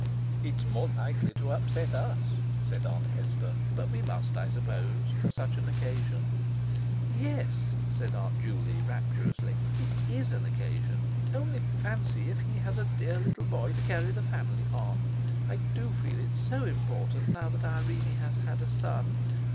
"It's more likely to upset us," said Aunt Nester. "But we must, I suppose; for such an occasion." "Yes," said Aunt Juley rapturously, "it is an occasion! Only fancy if he has a dear little boy, to carry the family on! I do feel it so important, now that Irene has had a son.